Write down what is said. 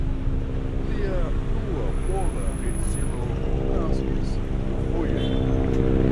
Lia dua pola edzino naskis dufoje.